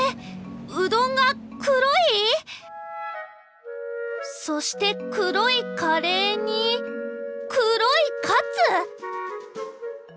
うどんが黒い⁉そして黒いカレーに黒いカツ！